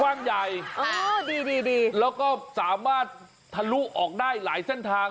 กว้างใหญ่แล้วก็สามารถทะลุออกได้หลายเส้นทาง